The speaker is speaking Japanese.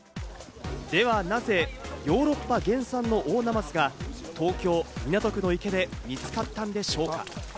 ではなぜヨーロッパ原産のオオナマズが東京・港区の池で見つかったんでしょうか？